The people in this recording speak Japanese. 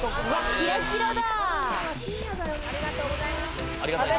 キラキラだ！